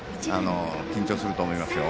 緊張すると思いますよ。